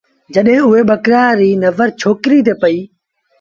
جڏهيݩ اُئي ٻڪرآڙ ري نزرڇوڪريٚ تي پئيٚ ۔